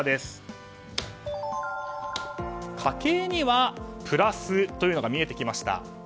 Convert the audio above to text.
家計にはプラスというのが見えてきました。